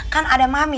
kan ada mami